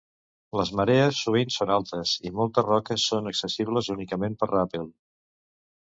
Les marees sovint són altes, i moltes roques són accessibles únicament per ràpel.